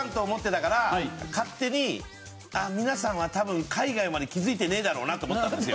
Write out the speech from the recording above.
勝手に皆さんは多分海外まで気づいてねえだろうなと思ったんですよ。